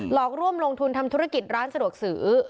อกร่วมลงทุนทำธุรกิจร้านสะดวกซื้อ